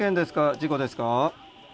事故ですか？